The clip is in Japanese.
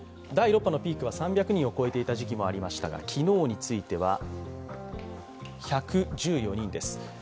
第６波のピークは３００人を超えていた時期もありましたが昨日については、１１４人です。